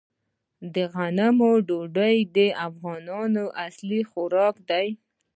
د غنمو ډوډۍ د افغانانو اصلي خوراک دی.